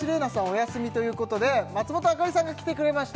お休みということで松元朱里さんが来てくれました